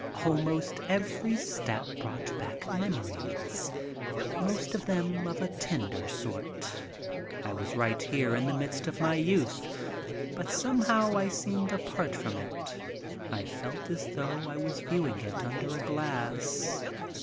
Almost every step brought back memories, most of them of a tender sort. I was right here in the midst of my youth, but somehow I seemed apart from it. I felt as though I was viewing it under a glass.